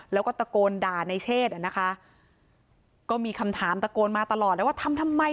แล้วก็ตะโกนด่าในเชศอ่ะนะคะก็มีคำถามตะโกนมาตลอดแล้วว่าทำทำไม